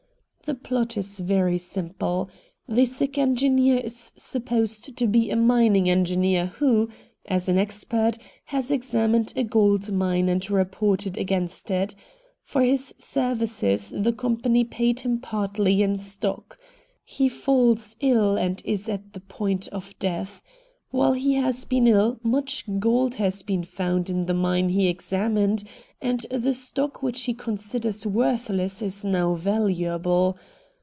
The plot is very simple. The sick engineer is supposed to be a mining engineer who, as an expert, has examined a gold mine and reported against it. For his services the company paid him partly in stock. He falls ill and is at the point of death. While he has been ill much gold has been found in the mine he examined, and the stock which he considers worthless is now valuable.